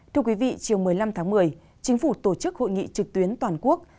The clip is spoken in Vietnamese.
thưa quý vị chiều một mươi năm tháng một mươi chính phủ tổ chức hội nghị trực tuyến toàn quốc